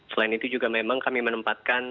selain itu juga memang kami menempatkan